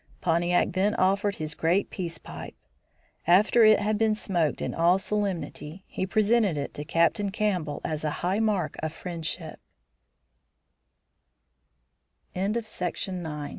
Pontiac then offered his great peace pipe. After it had been smoked in all solemnity, he presented it to Captain Campbell as a high mark of